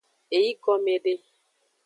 Eygome de.